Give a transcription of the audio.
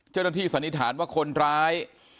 เจ้าหน้าที่สันนิษฐานว่าคนร้าย